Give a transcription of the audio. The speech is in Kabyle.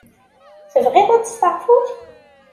Tebɣiḍ ad testeɛfuḍ?